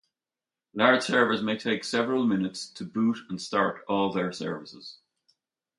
Large servers may take several minutes to boot and start all their services.